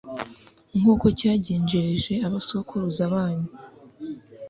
nk'uko cyagenjereje abasokuruza banyu